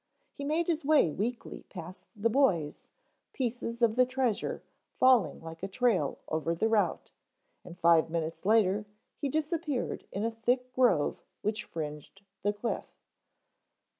He made his way weakly past the boys, pieces of the treasure falling like a trail over the route, and five minutes later he disappeared in a thick grove which fringed the cliff.